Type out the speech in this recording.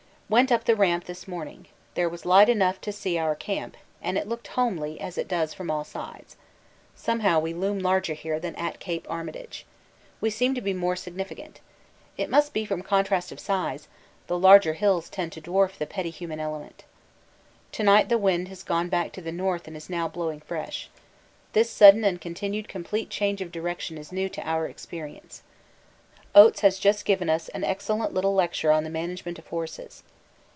Went up the Ramp this morning. There was light enough to see our camp, and it looked homely, as it does from all sides. Somehow we loom larger here than at Cape Armitage. We seem to be more significant. It must be from contrast of size; the larger hills tend to dwarf the petty human element. To night the wind has gone back to the north and is now blowing fresh. This sudden and continued complete change of direction is new to our experience. Oates has just given us an excellent little lecture on the management of horses.